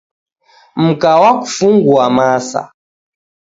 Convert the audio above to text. Mka wakufungua masa.